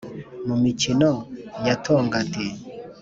Mu mikoni ya Tongati